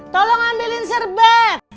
tolong ambilin serbet